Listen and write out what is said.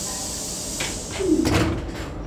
A rian ah a lung a tho ngai.